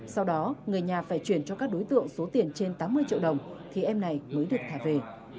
sau đó người nhà phải chuyển cho các đối tượng số tiền trên tám mươi triệu đồng thì em này mới được thả về